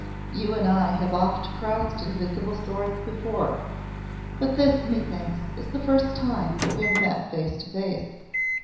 You and I have oft crossed invisible swords before; but this, methinks, is the first time that we have met face to face.